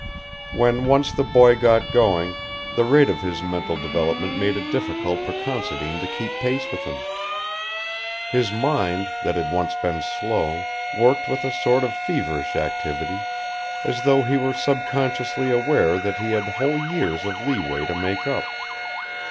When once the boy got going, the rate of his mental development made it difficult for Considine to keep pace with him. His mind, that had once been slow, worked with a sort of feverish activity, as though he were subconsciously aware that he had whole years of leeway to make up.